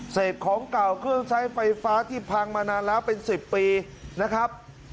ของเก่าเครื่องใช้ไฟฟ้าที่พังมานานแล้วเป็น๑๐ปีนะครับ